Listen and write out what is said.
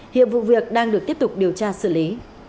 hiện vụ việc đang được tiếp tục điều tra xử lý